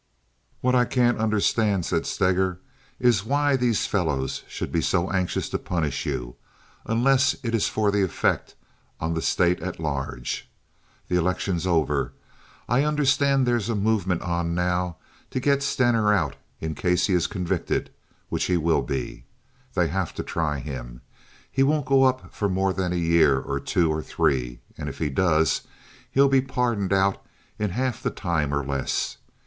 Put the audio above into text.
"What I can't understand," said Steger, "is why these fellows should be so anxious to punish you, unless it is for the effect on the State at large. The election's over. I understand there's a movement on now to get Stener out in case he is convicted, which he will be. They have to try him. He won't go up for more than a year, or two or three, and if he does he'll be pardoned out in half the time or less.